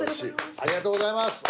ありがとうございます。